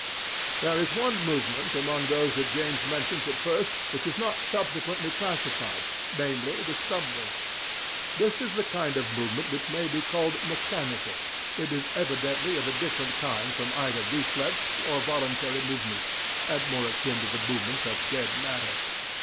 There is one movement, among those that James mentions at first, which is not subsequently classified, namely, the stumbling. This is the kind of movement which may be called "mechanical"; it is evidently of a different kind from either reflex or voluntary movements, and more akin to the movements of dead matter.